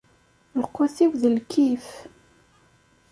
Lqut-iw d lkif.